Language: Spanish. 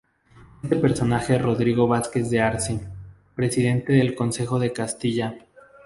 Este personaje es Rodrigo Vázquez de Arce, presidente del Consejo de Castilla.